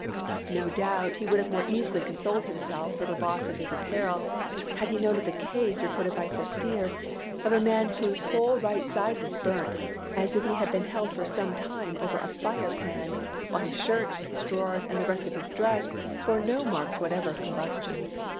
No doubt, he would have more easily consoled himself for the loss of his apparel had he known of the case reported by Sestier, of a man whose whole right side was burnt, as if he had been held for some time over a fire pan, while his shirt, his drawers and the rest of his dress bore no marks whatever of combustion."